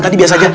tadi biasa saja